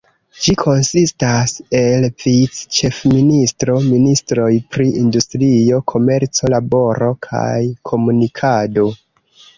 Ĝi konsistas el vic-ĉefministro, ministroj pri industrio, komerco, laboro kaj komunikado.